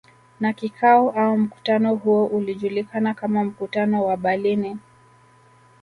Na kikao au mkutano huo ulijulikana kama mkutano wa Berlini